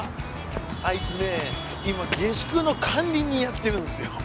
あいつね今下宿の管理人やってるんですよ。